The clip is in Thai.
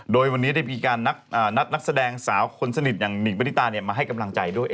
โดยวันนี้ได้มีการนัดนักแสดงสาวคนสนิทอย่างหนิงปณิตามาให้กำลังใจด้วย